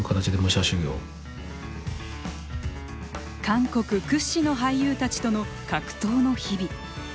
韓国屈指の俳優たちとの格闘の日々。